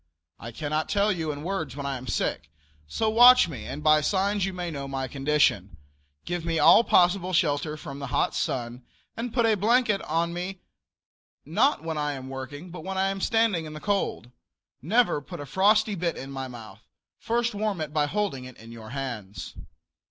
I cannot tell you in words when I am sick, so watch me and by signs you may know my condition. Give me all possible shelter from the hot sun, and put a blanket on me not when I am working, but when I am standing in the cold. Never put a frosty bit in my mouth; first warm it by holding it in your hands.